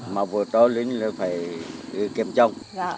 mà vợ to lên là phải kèm chồng